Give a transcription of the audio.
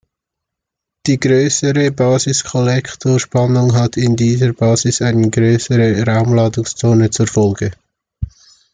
Die größere Basis-Kollektor-Spannung hat in der Basis eine größere Raumladungszone zur Folge.